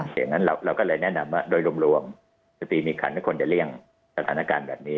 อย่างนั้นเราก็เลยแนะนำว่าโดยรวมสตรีมีคันควรจะเลี่ยงสถานการณ์แบบนี้